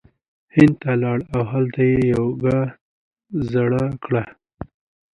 هند ته لاړ او هلته یی یوګا زړه کړه